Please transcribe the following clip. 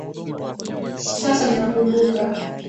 Sasa ninakumbuka.